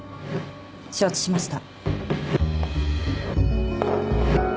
承知しました。